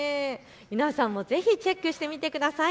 皆さんもぜひチェックしてみてください。